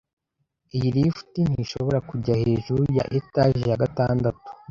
Iyi lift ntishobora kujya hejuru ya etage ya gatandatu.